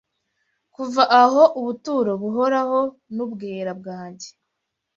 Kuva aho ubuturo buhoraho mubwera bwanjye